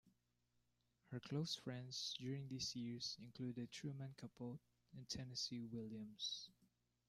Her close friends during these years included Truman Capote and Tennessee Williams.